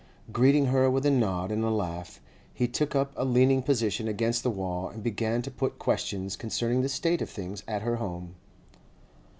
Greeting her with a nod and a laugh, he took up a leaning position against the wall, and began to put questions concerning the state of things at her home.